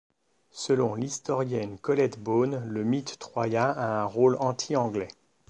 Selon l'historienne Colette Beaune, le mythe troyen a un rôle antianglais.